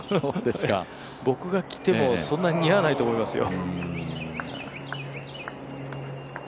僕が着てもそんなに似合わないと思いますよ。